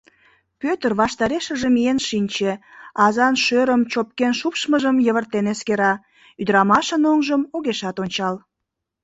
Пӧтыр ваштарешыже миен шинче, азан шӧрым чопкен шупшмыжым йывыртен эскера, ӱдырамашын оҥжым огешат ончал.